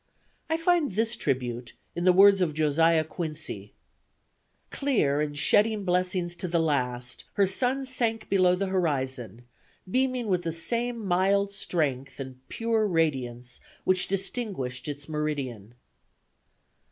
I find this tribute, in the words of Josiah Quincy: "Clear and shedding blessings to the last, her sun sank below the horizon, beaming with the same mild strength and pure radiance which distinguished its meridian."